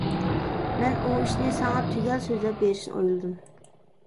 مەن ئۇ ئىشنى ساڭا تۈگەل سۆزلەپ بېرىشنى ئويلىدىم.